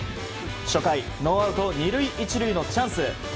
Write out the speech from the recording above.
初回、ノーアウト２塁１塁のチャンス。